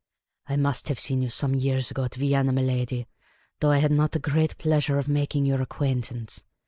I must have seen you some years ago at Vienna, miladi, though I had not then the great pleasure of making your acquaintance.